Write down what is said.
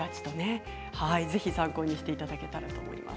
ぜひ参考にしていただければと思います。